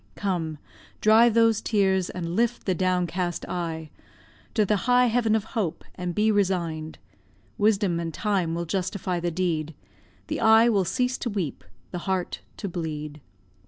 Come, dry those tears, and lift the downcast eye To the high heaven of hope, and be resign'd; Wisdom and time will justify the deed, The eye will cease to weep, the heart to bleed.